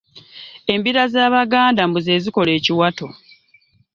Embira bagamba mbu ze zikola ekiwato.